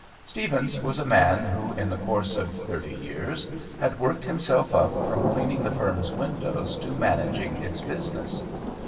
Stephens was a man who, in the course of thirty years, had worked himself up from cleaning the firm's windows to managing its business.